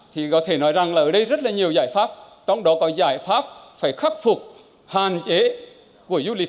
thì có thể nói rằng là ở đây rất là nhiều giải pháp trong đó có giải pháp phải khắc phục hạn chế của du lịch